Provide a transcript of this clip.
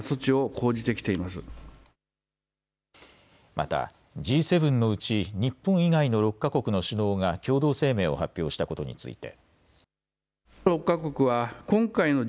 またＧ７のうち日本以外の６か国の首脳が共同声明を発表したことについて。